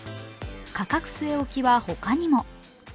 価格据え置きは他にも。